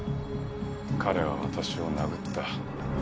彼は私を殴った。